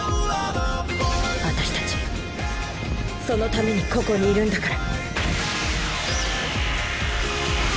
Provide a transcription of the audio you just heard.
私たちそのためにここにいるんだから。